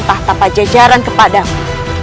tahta pajajaran kepadamu